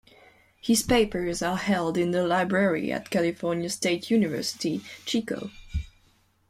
His papers are held in the library at California State University, Chico.